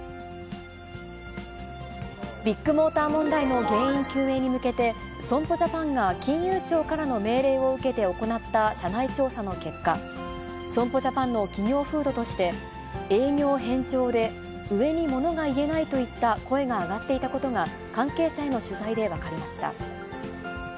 ビッグモーター問題の原因究明に向けて、損保ジャパンが金融庁からの命令を受けて行った社内調査の結果、損保ジャパンの企業風土として、営業偏重で上にものが言えないといった声が上がっていたことが、関係者の取材で分かりました。